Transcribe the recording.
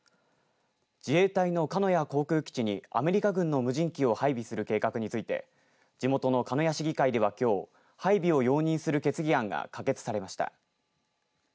自衛隊の鹿屋航空基地にアメリカ軍の無人機を配備する計画について地元の鹿屋市議会ではきょう配備を容認する決議案が可決されました。